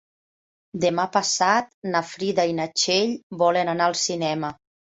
Demà passat na Frida i na Txell volen anar al cinema.